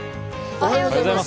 おはようございます。